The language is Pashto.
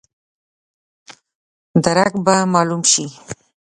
درک به مالوم شي.